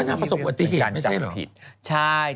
เป็นการจำผิดใช่หรอเพราะน่าประสบอติเหตุไม่ใช่เหรอ